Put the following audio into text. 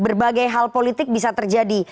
berbagai hal politik bisa terjadi